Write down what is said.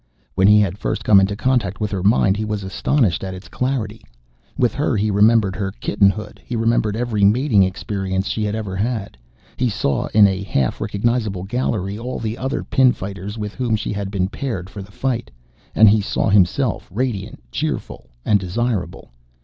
When he had first come into contact with her mind, he was astonished at its clarity. With her he remembered her kittenhood. He remembered every mating experience she had ever had. He saw in a half recognizable gallery all the other pinlighters with whom she had been paired for the fight. And he saw himself radiant, cheerful and desirable.